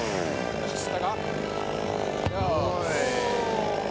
よし。